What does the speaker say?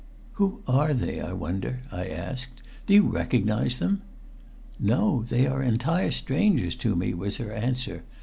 "Who are they, I wonder?" I asked. "Do you recognize them?" "No. They are entire strangers to me," was her answer.